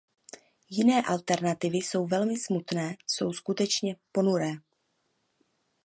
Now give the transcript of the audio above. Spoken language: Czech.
Jiné alternativy jsou velmi smutné, jsou skutečně ponuré.